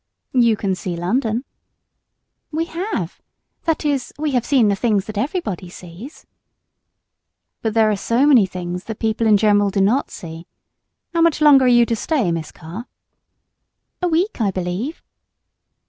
"You can see London." "We have, that is, we have seen the things that everybody sees." "But there are so many things that people in general do not see. How much longer are you to stay, Miss Carr?" "A week, I believe."